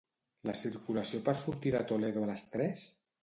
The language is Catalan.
La circulació per sortir de Toledo a les tres?